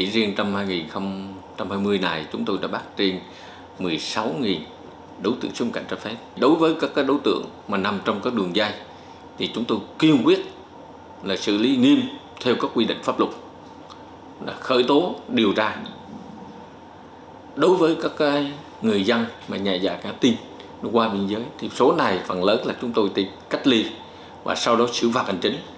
đối với các người dân mà nhà giả ca tin qua biên giới thì số này phần lớn là chúng tôi tìm cách ly và sau đó xử phạt hành chính